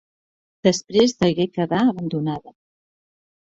Després degué quedar abandonada.